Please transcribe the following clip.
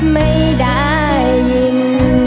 ไม่ได้ยิน